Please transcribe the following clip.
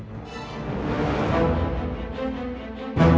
dia kita hantar kita hantar